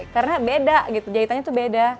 karena beda gitu jahitannya tuh beda